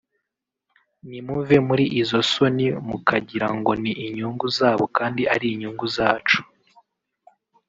nimuve muri izo soni mukagira ngo ni inyungu zabo kandi ari inyungu zacu